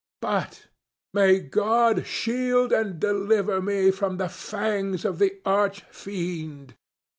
But may God shield and deliver me from the fangs of the Arch Fiend!